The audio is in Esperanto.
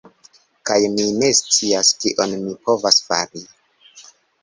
Kaj, mi ne scias kion mi povas fari.